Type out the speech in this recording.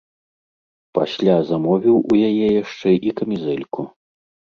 Пасля замовіў у яе яшчэ і камізэльку.